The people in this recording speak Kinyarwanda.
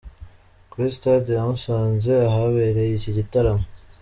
Kuri Stade ya Musanze ahabereye iki gitaramo.